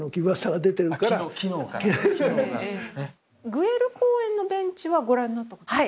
グエル公園のベンチはご覧になったことはある？